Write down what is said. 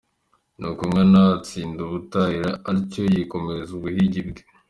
Nuko Nkana atsinda ubutahira atyo yikomereza ubuhigi bwe.